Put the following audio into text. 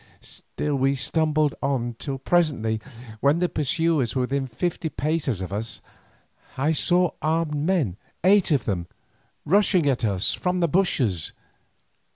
Still we stumbled on till presently, when the pursuers were within fifty paces of us, I saw armed men, eight of them, rushing at us from the bushes.